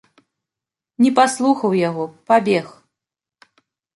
Не паслухаў яго, пабег.